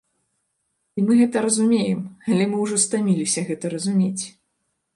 І мы гэта разумеем, але мы ўжо стаміліся гэта разумець.